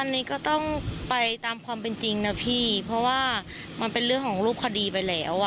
อันนี้ก็ต้องไปตามความเป็นจริงนะพี่เพราะว่ามันเป็นเรื่องของรูปคดีไปแล้วอ่ะ